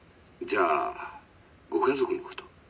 「じゃあご家族のこと？」。